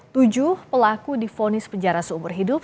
tujuh pelaku difonis penjara seumur hidup